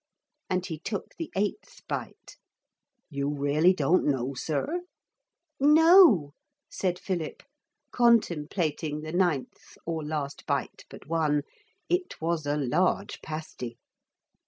And he took the eighth bite. 'You really don't know, sir?' 'No,' said Philip, contemplating the ninth or last bite but one. It was a large pasty.